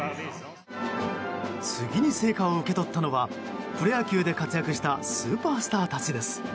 次に聖火を受け取ったのはプロ野球で活躍したスーパースターたちです。